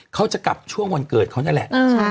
เขาจะกลับช่วงวันเกิดเขานั่นแหละ